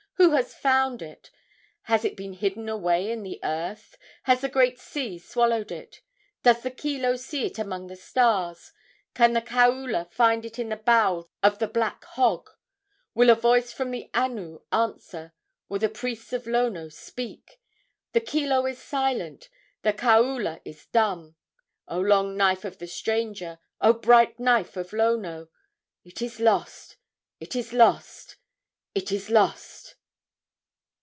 Who has found it? Has it been hidden away in the earth? Has the great sea swallowed it? Does the kilo see it among the stars? Can the kaula find it in the bowels of the black hog? Will a voice from the anu answer? Will the priests of Lono speak? The kilo is silent, the kaula is dumb. O long knife of the stranger, O bright knife of Lono, It is lost, it is lost, it is lost!"